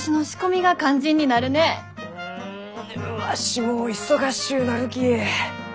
うんわしも忙しゅうなるき。